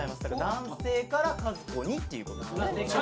男性から和子にっていうことですね。